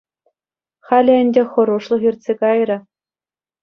Халӗ ӗнтӗ хӑрушлӑх иртсе кайрӗ.